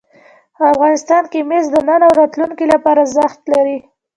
افغانستان کې مس د نن او راتلونکي لپاره ارزښت لري.